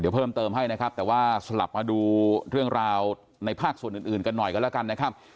เดี๋ยวเพิ่มเติมให้นะครับแต่ว่าสลับมาดูเรื่องราวในภาคส่วนอื่นอื่นกันหน่อยกันแล้วกันนะครับ